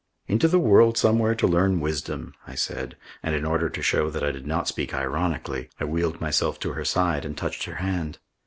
"Into the world somewhere to learn wisdom," I said, and in order to show that I did not speak ironically, I wheeled myself to her side and touched her hand.